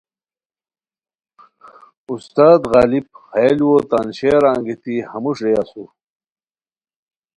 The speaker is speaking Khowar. استاد غالبؔ ہیہ لوُؤ تان شعرہ انگیتی ہموݰ رے اسور